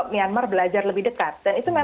myanmar belajar lebih dekat dan itu